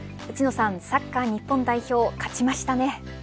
内野さん、サッカー日本代表勝ちましたね。